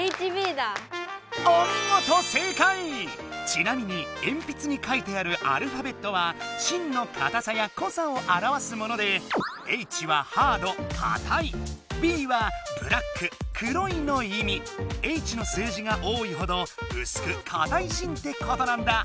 ちなみにえんぴつに書いてあるアルファベットはしんの硬さやこさをあらわすものでＨの数字が多いほどうすく硬いしんってことなんだ。